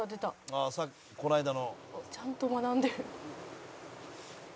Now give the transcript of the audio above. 「ああこの間の」「ちゃんと学んでる」